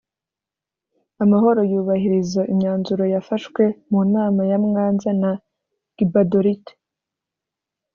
amahoro yubahiriza imyanzuro y'afashwe mu manama ya mwanza na gbadolite.